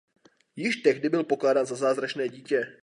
Již tehdy byl pokládán za zázračné dítě.